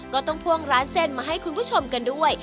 ก็ต้องพ่วงร้านเส้นมาให้คุณผู้ชมกันด้วย